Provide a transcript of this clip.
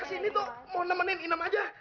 eh saya kesini tuh mau nemenin inem aja